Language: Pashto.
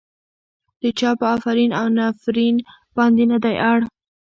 د چا په افرین او نفرين باندې نه دی اړ.